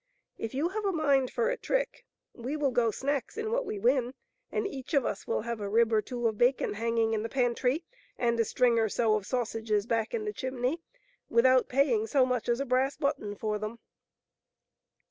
If you have a mind for a trick, we will go snacks in what we win, and each of us will have a rib or two of bacon hanging in the pantry, and a string or so of sausages back in the chimney without paying so much as a brass button for them."